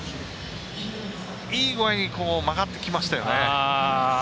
いい具合に曲がってきましたよね。